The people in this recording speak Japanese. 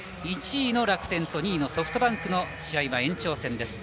１位の楽天と２位のソフトバンクの試合は延長戦です。